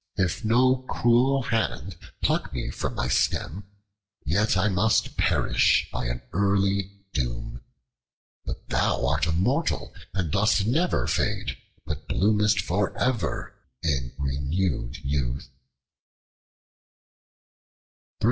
If no cruel hand pluck me from my stem, yet I must perish by an early doom. But thou art immortal and dost never fade, but bloomest for ever in renewed youth."